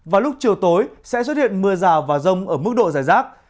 và lúc chiều tối sẽ xuất hiện mưa rào và rông ở mức độ giải rác